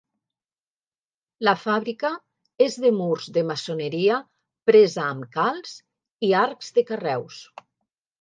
La fàbrica és de murs de maçoneria presa amb calç i arcs de carreus.